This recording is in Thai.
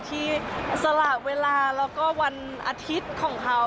ที่สลากเวลาแล้วก็วันอาทิตย์ของเขา